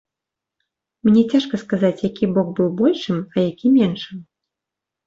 Мне цяжка сказаць, які бок быў большым, а які меншым.